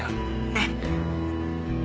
ねっ。